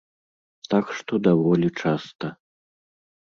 Так што даволі часта.